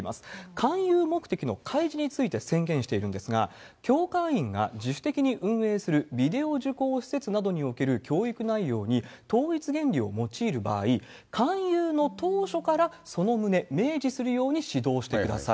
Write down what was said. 勧誘目的の開示について宣言しているんですが、教会員が自主的に運営するビデオ受講施設などにおける教育内容に、統一原理を用いる場合、勧誘の当初からその旨、明示するように指導してください。